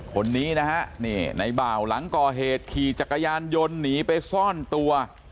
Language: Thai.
คนนี้นะฮะนี่ในบ่าวหลังก่อเหตุขี่จักรยานยนต์หนีไปซ่อนตัว